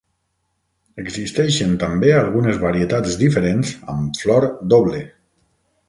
Existeixen també algunes varietats diferents amb flor doble.